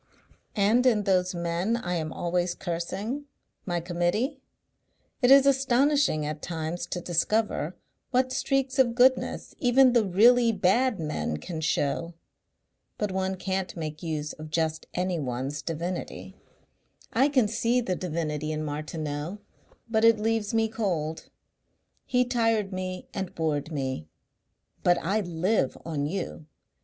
And in those men I am always cursing, my Committee, it is astonishing at times to discover what streaks of goodness even the really bad men can show.... But one can't make use of just anyone's divinity. I can see the divinity in Martineau but it leaves me cold. He tired me and bored me.... But I live on you.